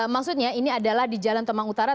maksudnya ini adalah di jalan temang utara